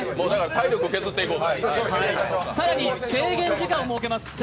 体力削っていこう。